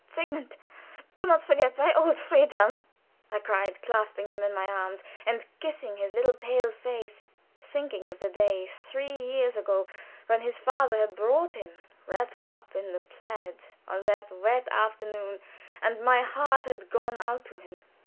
"Sigmund, do not forget thy old Friedhelm!" I cried, clasping him in my arms, and kissing his little pale face, thinking of the day, three years ago, when his father had brought him wrapped up in the plaid on that wet afternoon, and my heart had gone out to him.